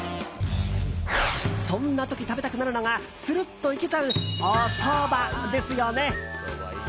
そんな時、食べたくなるのがつるっといけちゃうおそばですよね。